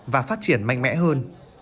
và phát triển mạnh mẽ hơn